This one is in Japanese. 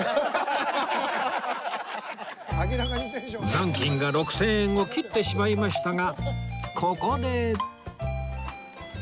残金が６０００円を切ってしまいましたがここで